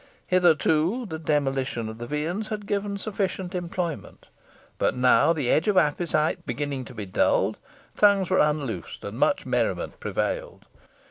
Hitherto, the demolition of the viands had given sufficient employment, but now the edge of appetite beginning to be dulled, tongues were unloosed, and much merriment prevailed.